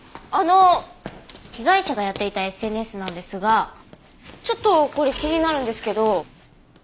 あの被害者がやっていたＳＮＳなんですがちょっとこれ気になるんですけど。